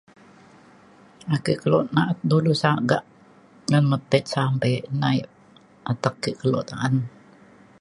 ake kelo na’at dulu sagak ngan metit sampe na yak atek ke kelo ta’an